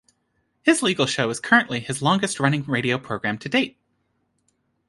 His legal show is currently his longest running radio program to date.